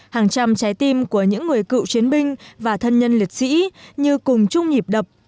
hàng trăm trái tim của những người cựu chiến binh và thân nhân liệt sĩ như cùng chung nhịp đập